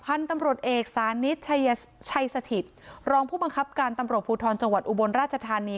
พันธุ์ตำรวจเอกสานิทชัยชัยสถิตรองผู้บังคับการตำรวจภูทรจังหวัดอุบลราชธานี